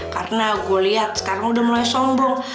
karena gue liat sekarang udah mulai sombong